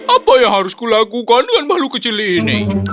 apa yang harus kulakukan dengan makhluk kecil ini